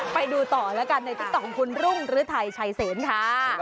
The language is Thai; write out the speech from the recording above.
ไปดูต่อละกันในติดต่อของคุณรุ่งรือไทยชายเซนค่ะ